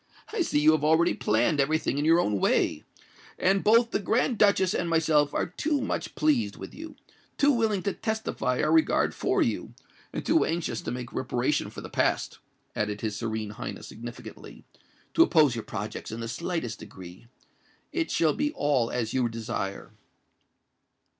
"I see that you have already planned every thing in your own way; and both the Grand Duchess and myself are too much pleased with you—too willing to testify our regard for you—and too anxious to make reparation for the past," added his Serene Highness significantly, "to oppose your projects in the slightest degree. It shall be all as you desire."